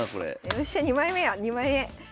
よっしゃ２枚目や２枚目！